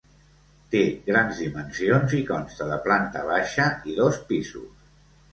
Té grans dimensions i consta de planta baixa i dos pisos.